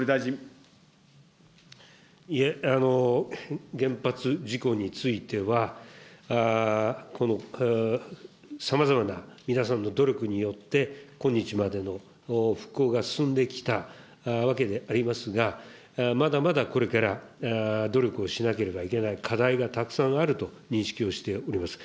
いえ、原発事故については、この、さまざまな皆さんの努力によって、今日までの復興が進んできたわけでありますが、まだまだこれから努力をしなければいけない課題がたくさんあると認識をしております。